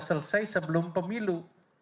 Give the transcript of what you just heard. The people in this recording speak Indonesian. selesai sebelum pemilu